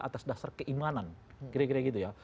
atas dasar keimanan kira kira gitu ya